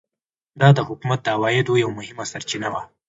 دا د حکومت د عوایدو یوه مهمه سرچینه وه.